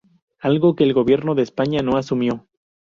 Algo que el Gobierno de España no asumió.